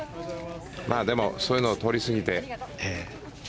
でも、そういうのを通り過ぎて。